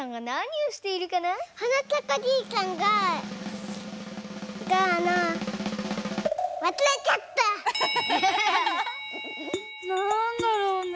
なんだろうね。